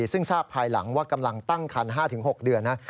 ซึ่งทราบภายหลังว่ากำลังตั้งคัน๕๖เดือนนะ